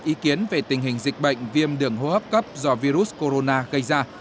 ý kiến về tình hình dịch bệnh viêm đường hô hấp cấp do virus corona gây ra